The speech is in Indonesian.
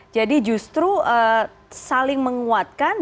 jadi justru saling menguatkan